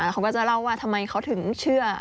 เขาก็จะเล่าว่าทำไมเขาถึงเชื่อ